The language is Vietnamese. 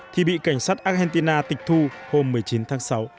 thì bị cảnh sát argentina tịch thu hôm một mươi chín tháng sáu